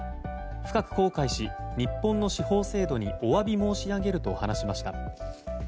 深く後悔し日本の司法制度にお詫び申し上げると述べました。